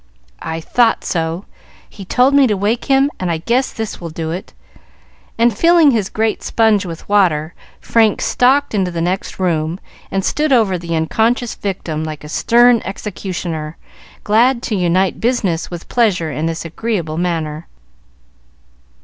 "I thought so! He told me to wake him, and I guess this will do it;" and, filling his great sponge with water, Frank stalked into the next room and stood over the unconscious victim like a stern executioner, glad to unite business with pleasure in this agreeable manner.